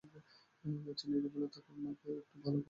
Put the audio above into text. আচ্ছা, নীরবালা তাঁর মাকে কেন একটু ভালো করে বুঝিয়ে বলেন না– রসিক।